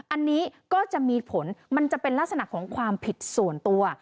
อันนี้ก็จะมีผลมันจะเป็นลักษณะของความผิดส่วนตัว